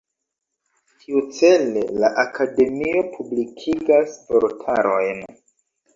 Tiucele la Akademio publikigas vortarojn.